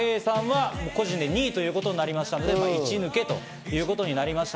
個人で２位ということになったので、いち抜けということになりました。